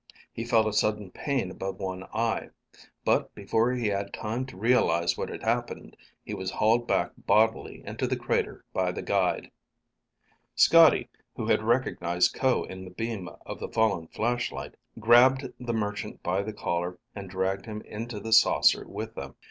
He felt a sudden pain above one eye. But before he had time to realize what had happened, he was hauled back bodily into the crater by the guide. Scotty, who had recognized Ko in the beam of the fallen flashlight, grabbed the merchant by the collar and dragged him into the saucer with them.